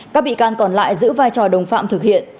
các bị can còn lại giữ vai trò đồng phạm thực hiện